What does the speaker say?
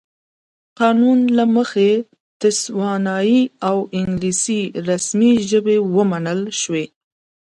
قانون له مخې تسوانایي او انګلیسي رسمي ژبې ومنل شوې.